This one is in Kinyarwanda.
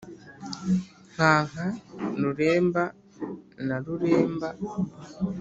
nkanka ruremba na ruremba